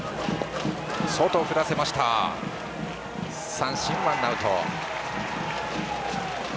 三振、ワンアウト。